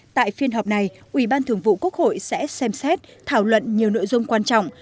tại phiên họp này ủy ban thường vụ quốc hội sẽ xem xét thảo luận nhiều nội dung quan trọng